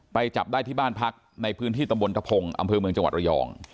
จับได้ที่บ้านพักในพื้นที่ตำบลทะพงศ์อำเภอเมืองจังหวัดระยอง